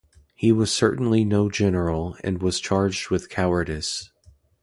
He was certainly no general, and was charged with cowardice.